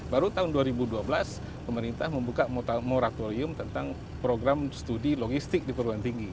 baru tahun dua ribu dua belas pemerintah membuka moratorium tentang program studi logistik di perguruan tinggi